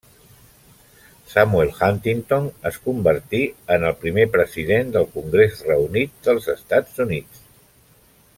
Samuel Huntington es convertí en el primer president del Congrés Reunit dels Estats Units.